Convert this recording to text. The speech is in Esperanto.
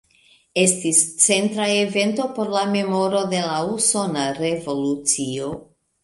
Estis centra evento por la memoro de la Usona Revolucio.